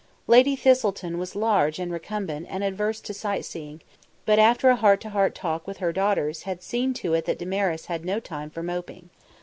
Lady Thistleton was large and recumbent and averse to sight seeing, but after a heart to heart talk with her daughters had seen to it that Damaris had no time for moping.